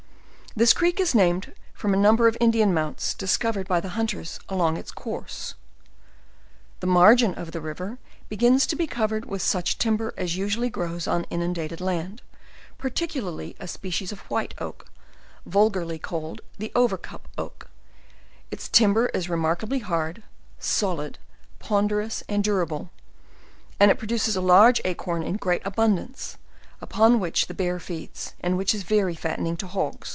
This creek is named from a num ber of Indian mounts discovered by the hunters along its course. The margin of the river begins to be covered with such timber as usualy grows on inundated land, particularly a species of white oak, vulgarly called the over cup oak; its timber is remarkably hard, solid, ponderous, and durable; and it produces a large acorn in great abundance, upon which the bear feeds, and which is very fattening to hogs.